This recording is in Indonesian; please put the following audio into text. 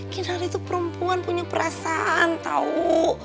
kinar itu perempuan punya perasaan tau